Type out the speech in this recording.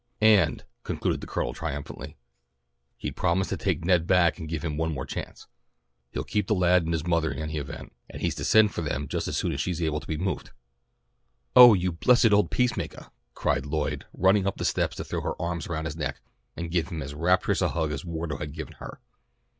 "And," concluded the Colonel triumphantly, "he's promised to take Ned back and give him one more chance. He'll keep the lad and his mother in any event, and he's to send for them just as soon as she's able to be moved." "Oh, you blessed old peace makah!" cried Lloyd running up the steps to throw her arms around his neck and give him as rapturous a hug as Wardo had given her.